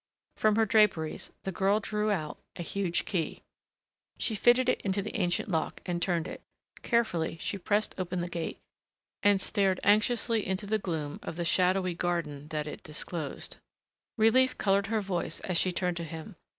From her draperies the girl drew out a huge key. She fitted it into the ancient lock and turned it; carefully she pressed open the gate and stared anxiously into the gloom of the shadowy garden that it disclosed. Relief colored her voice as she turned to him.